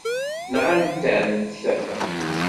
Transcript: Nɣant-am-t.